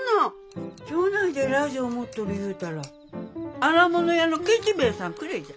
町内でラジオ持っとるいうたら荒物屋のケチ兵衛さんくれえじゃ。